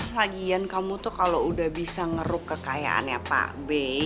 lagian kamu tuh kalau udah bisa ngeruk kekayaannya pak b